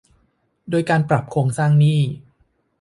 โดยการปรับโครงสร้างหนี้